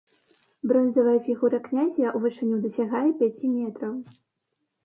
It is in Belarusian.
Бронзавая фігура князя ў вышыню дасягае пяці метраў.